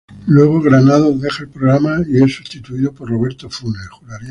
Luego Granados deja el programa y es sustituido por Roberto Funes.